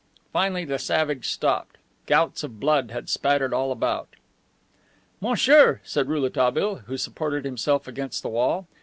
Finally the savage stopped. Gouts of blood had spattered all about. "Monsieur," said Rouletabille, who supported himself against the wall.